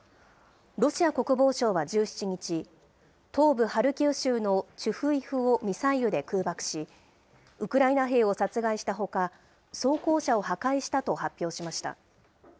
ロシア国防省は１７日、東部ハルキウ州のチュフイウをミサイルで空爆し、ウクライナ兵を殺害したほか、装甲車を破壊したと発表しました。